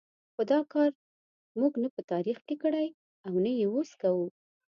خو دا کار موږ نه په تاریخ کې کړی او نه یې اوس کوو.